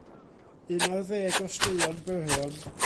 Un ar ddeg o straeon byrion.